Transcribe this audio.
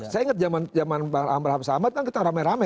saya ingat zaman zaman bang abraham usamat kan kita rame rame